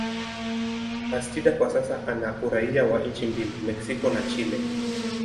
Bastida kwa sasa ana uraia wa nchi mbili, Mexico na Chile.